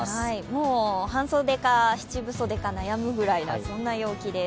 もう半袖か、七分袖か悩むぐらいの陽気です。